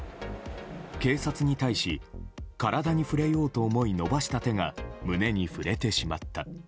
警察に対し、体に触れようと思い伸ばした手が胸に触れてしまった。